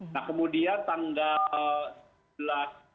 nah kemudian tanggal